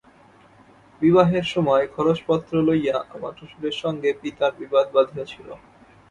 বিবাহের সময় খরচ-পত্র লইয়া আমার শ্বশুরের সঙ্গে পিতার বিবাদ বাধিয়াছিল।